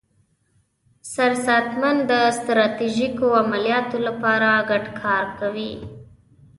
سرساتنمن د ستراتیژیکو عملیاتو لپاره ګډ کار کوي.